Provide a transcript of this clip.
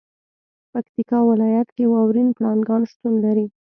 پکتیکا ولایت کې واورین پړانګان شتون لري.